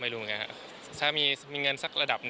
แต่ตอนนี้สนใจที่จะลงกองทุนอะไรคะ